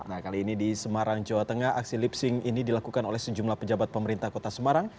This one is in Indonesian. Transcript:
nah kali ini di semarang jawa tengah aksi lip sing ini dilakukan oleh sejumlah pejabat pemerintah kota semarang